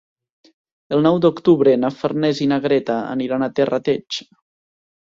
El nou d'octubre na Farners i na Greta aniran a Terrateig.